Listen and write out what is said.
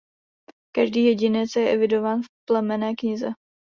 Každý jedinec je evidován v plemenné knize.